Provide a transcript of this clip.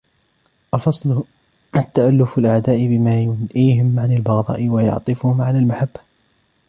الْفَصْلَ تَأَلُّفُ الْأَعْدَاءِ بِمَا يُنْئِيهِمْ عَنْ الْبَغْضَاءِ وَيَعْطِفُهُمْ عَلَى الْمَحَبَّةِ